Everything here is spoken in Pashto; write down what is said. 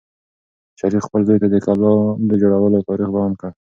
شریف خپل زوی ته د کلا د جوړولو تاریخ بیان کړ.